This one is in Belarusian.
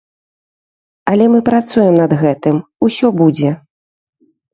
Але мы працуем над гэтым, усё будзе.